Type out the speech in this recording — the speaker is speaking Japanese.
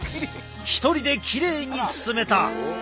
一人できれいに包めた！